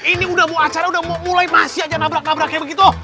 ini udah mau acara udah mau mulai masih aja nabrak nabrak kayak begitu